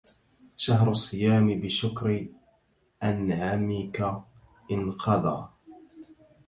شهر الصيام بشكر أنعمك انقضى